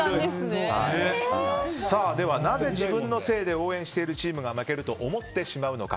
なぜ自分のせいで応援しているチームが負けると思ってしまうのか。